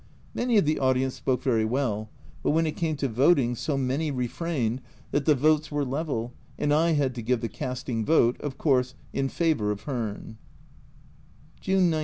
Many of the audience spoke very well, but when it came to voting so many refrained that the votes were level, and I had to give the casting vote, of course in favour of Hearn. June 19.